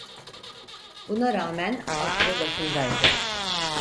Buna rağmen aklı başındaydı.